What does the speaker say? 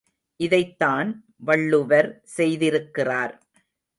இதைத்தான் வள்ளுவர் செய்திருக்கிறார்.